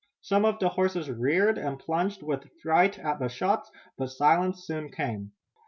Some of the horses reared and plunged with fright at the shots, but silence soon came.